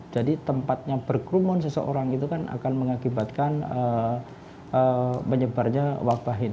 jadi tempatnya berkerumun seseorang itu kan akan mengakibatkan penyebarnya wakil